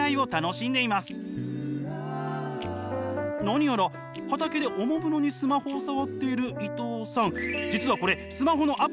何やら畑でおもむろにスマホを触っている伊藤さん。